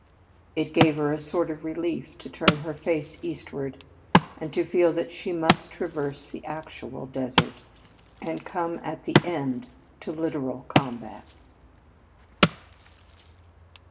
It gave her a sort of relief to turn her face eastward and to feel that she must traverse the actual desert, and come at the end to literal combat.